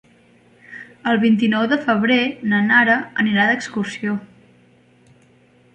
El vint-i-nou de febrer na Nara anirà d'excursió.